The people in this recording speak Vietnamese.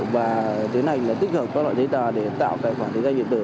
và tiến hành tích hợp các loại thế tà để tạo cải phản thế gian điện tử